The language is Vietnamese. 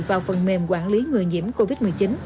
vào phần mềm quản lý người nhiễm covid một mươi chín